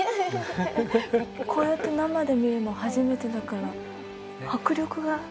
こうやって生で見るの初めてだから迫力が。